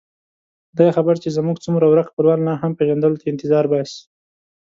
خدای خبر چې زموږ څومره ورک خپلوان لا هم پېژندلو ته انتظار باسي.